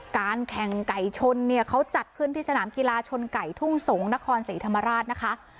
การแข่งไก่ชนเนี่ยเขาจัดขึ้นที่สนามกีฬาชนไก่ทุ่งสงศ์นครศรีธรรมราชนะคะ